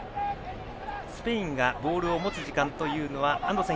スペインがボールを持つ時間が安藤さん